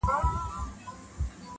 لوستونکي پرې فکر کوي ډېر,